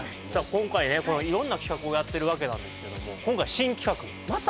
今回ね色んな企画をやってるわけなんですけども・また？